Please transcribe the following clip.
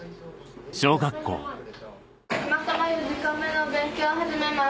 今から４時間目の勉強を始めます。